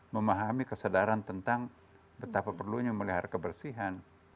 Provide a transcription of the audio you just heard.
memahami kesadaran tentang betapa perlunya melihara kebersihan